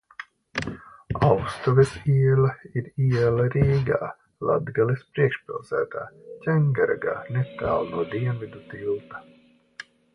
Austuves iela ir iela Rīgā, Latgales priekšpilsētā, Ķengargā, netālu no Dienvidu tilta.